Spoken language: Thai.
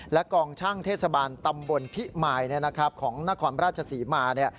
และกองช่างเทศบาลตำบลพิมายของนครราชศรีมา